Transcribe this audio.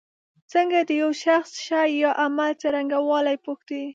څنګه د یو شخص شي یا عمل څرنګوالی پوښتی.